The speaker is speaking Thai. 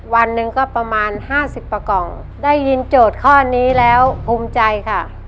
วันหนึ่งก็ประมาณห้าสิบกว่ากล่องได้ยินโจทย์ข้อนี้แล้วภูมิใจค่ะ